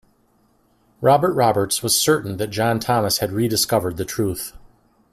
Robert Roberts was certain that John Thomas had rediscovered the truth.